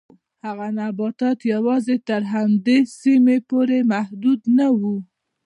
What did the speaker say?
هغه نباتات یوازې تر همدې سیمې پورې محدود نه و.